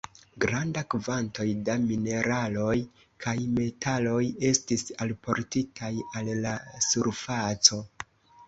Granda kvantoj da mineraloj kaj metaloj estis alportitaj al la surfaco.